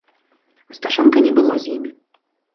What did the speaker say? Асташонка не было з імі.